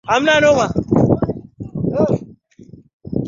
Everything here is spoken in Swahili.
njia hii inahitaji vyombo maalumu vya kusafirisha sauti